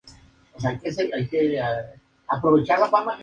Le acompañaron en el podio Cadel Evans y Alexandre Vinokourov, respectivamente.